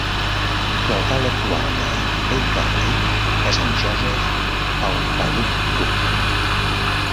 L'alcalde actual de Baker Lake és en Joseph Aupaluktuq.